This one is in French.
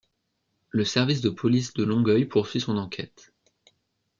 Le Service de police de Longueuil poursuit son enquête.